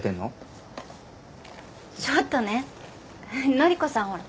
乃里子さんほら。